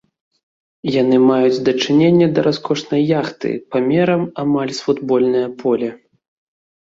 Яны маюць дачыненне да раскошнай яхты памерам амаль з футбольнае поле.